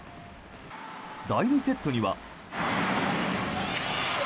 第２セットには。